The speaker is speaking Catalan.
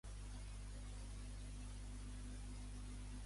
La Holly diu que sí i l'endemà el Vincey apareix mort.